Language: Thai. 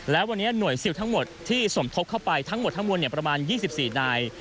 และวันนี้หน่วยซิลทั้งหมดที่สมทบเข้าไปทั้งหมดทั้งมวลประมาณ๒๔นาย